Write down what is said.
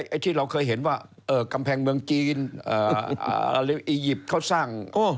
ไอ้ที่เราเคยเห็นว่ากำแพงเมืองจีนอียิปต์เขาสร้าง